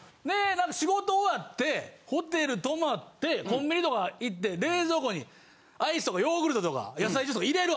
仕事終わってホテル泊まってコンビニとか行って冷蔵庫にアイスとかヨーグルトとか野菜ジュースとか入れる。